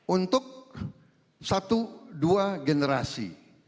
untuk satu dua generasi